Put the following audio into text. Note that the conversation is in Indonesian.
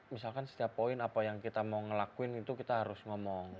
misalkan setiap poin apa yang kita mau ngelakuin itu kita harus ngomong